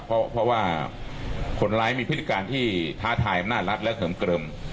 เพราะว่าคนร้ายมีพฤติการที่ท้าทายอำนาจรัฐและเสริมเกลิม